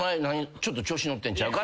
ちょっと調子に乗ってんちゃうか？」